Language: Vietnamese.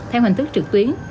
theo hành thức trực tuyến